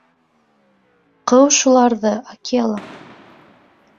Ҡыу шуларҙы, Акела!